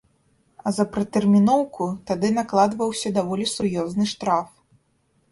А за пратэрміноўку тады накладваўся даволі сур'ёзны штраф.